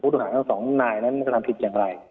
พูดอาหารของสองนายก็ตามผิดสิ่งไร